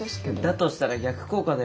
だとしたら逆効果だよ。